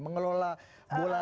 mengelola bola liar